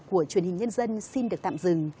của truyền hình nhân dân xin được tạm dừng